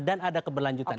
dan ada keberlanjutan